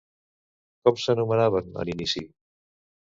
Com s'anomenaven en inici?